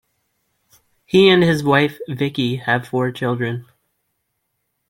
He and his wife Vicky have four children.